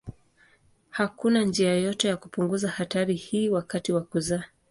Hakuna njia yoyote ya kupunguza hatari hii wakati wa kuzaa.